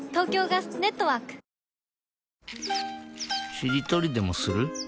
しりとりでもする？